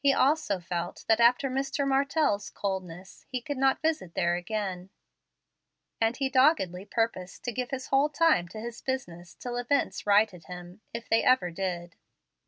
He also felt that after Mr. Martell's coldness he could not visit there again, and he doggedly purposed to give his whole time to his business till events righted him, if they ever did.